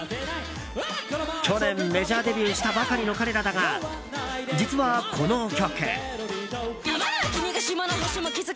去年、メジャーデビューしたばかりの彼らだが実はこの曲。